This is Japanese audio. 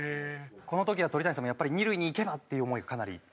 この時は鳥谷さんもやっぱり二塁に行けばっていう思いがかなり。